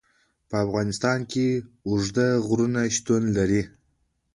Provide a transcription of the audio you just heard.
په افغانستان کې اوږده غرونه شتون لري.